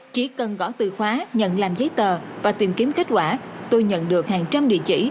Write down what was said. chỉ cần gõ từ khóa nhận làm giấy tờ và tìm kiếm kết quả tôi nhận được hàng trăm địa chỉ